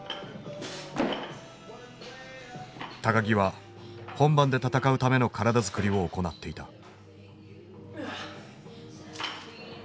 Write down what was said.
木は本番で戦うための体作りを行っていた。